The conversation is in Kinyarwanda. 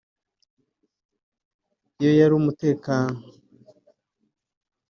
Iyo hari umutekano